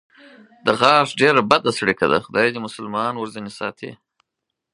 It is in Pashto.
د غاښ ډېره بده څړیکه ده، خدای دې مسلمان ورځنې ساتي.